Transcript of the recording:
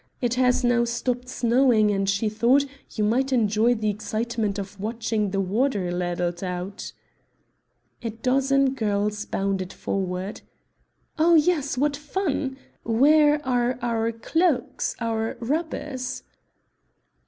It has now stopped snowing and she thought you might enjoy the excitement of watching the water ladled out." A dozen girls bounded forward. "Oh, yes, what fun! where are our cloaks our rubbers?"